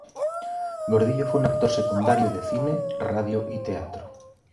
Gordillo fue un actor secundario de cine, radio y teatro.